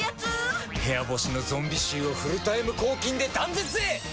部屋干しのゾンビ臭をフルタイム抗菌で断絶へ！